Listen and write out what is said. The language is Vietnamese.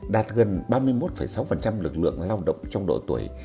đạt gần ba mươi một sáu lực lượng lao động trong độ tuổi